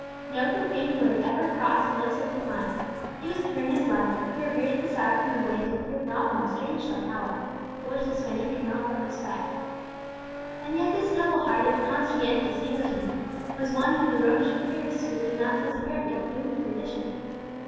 No profane word ever crossed the lips of Lepine; he was pure in his life; he reverenced the Sabbath in a way that appeared novel and strange to Alcala, but which the Spaniard could not but respect. And yet this noble hearted, conscientious Englishman was one whom the Romish priests would denounce as a heretic doomed to perdition!